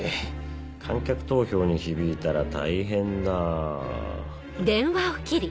観客投票に響いたら大変だぁ。